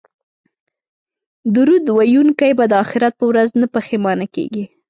درود ویونکی به د اخرت په ورځ نه پښیمانه کیږي